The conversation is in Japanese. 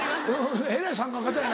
えらい参加型やな。